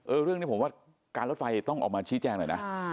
เรื่องนี้ผมว่าการรถไฟต้องออกมาชี้แจงหน่อยนะ